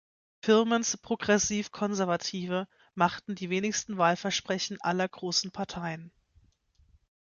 Filmons Progressiv-Konservative machten die wenigsten Wahlversprechen aller großen Parteien.